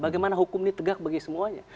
karena hukum ini tegak bagi semuanya